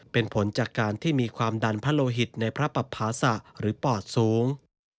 เป็นผลจากการที่มีความดันพระโลหิตในพระปภาษะหรือปอดสูง